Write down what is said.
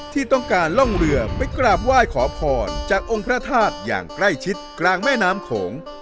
ที่ต้องการล่องเรือไปกราบไหว้ขอพรจากองค์พระธาตุอย่างใกล้ชิดกลางแม่น้ำโขง